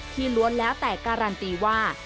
ล้วนแล้วแต่การันตีว่า